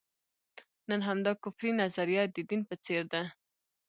نن همدا کفري نظریه د دین په څېر ده.